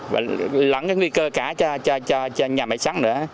và lẫn cái nguy cơ cả cho nhà máy sắn nữa